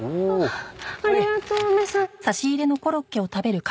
ありがとう梅さん。